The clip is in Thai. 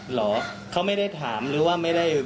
เหรอเขาไม่ได้ถามหรือว่าไม่ได้